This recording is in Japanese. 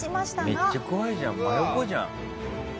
めっちゃ怖いじゃん真横じゃん。